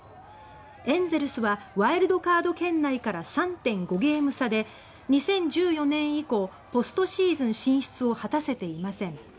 エンゼルスはワイルドカード圏内から３．５ゲーム差で２０１４年以降ポストシーズン進出を果たせていません。